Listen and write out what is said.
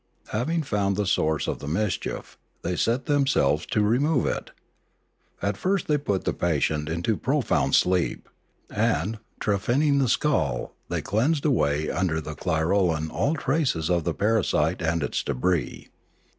Having found the source of the mischief, they set themselves to remove it. At first they put the patient into profound sleep, and, trephining the skull, they cleansed away under the clirolan all traces of the parasite and its d&bris.